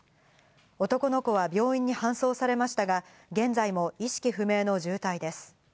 男の子は病院に搬送されましたが、現在も意識不明の重体です。